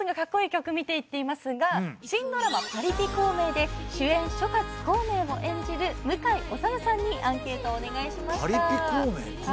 曲」見ていっていますが新ドラマ『パリピ孔明』で主演諸葛孔明を演じる向井理さんにアンケートをお願いしました。